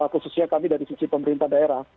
khususnya kami dari sisi pemerintah daerah